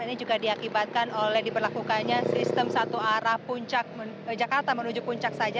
ini juga diakibatkan oleh diberlakukannya sistem satu arah puncak jakarta menuju puncak saja